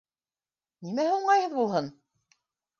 Нимәһе уңайһыҙ булһын?